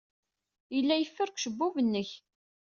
Yella yifer deg ucebbub-nnek.